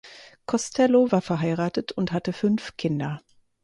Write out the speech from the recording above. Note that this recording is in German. Costello war verheiratet und hatte fünf Kinder.